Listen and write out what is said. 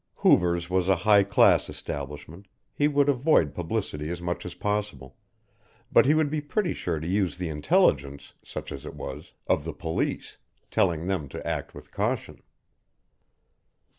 Hoover's was a high class establishment, he would avoid publicity as much as possible, but he would be pretty sure to use the intelligence, such as it was, of the police, telling them to act with caution.